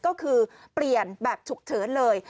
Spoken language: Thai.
ก็คือเปลี่ยนแบบฉุกเฉินเลย